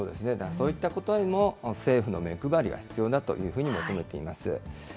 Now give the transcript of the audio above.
そういったことへも政府の目配りが必要だというふうに求めています。